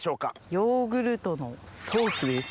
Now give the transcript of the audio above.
ヨーグルトのソースです。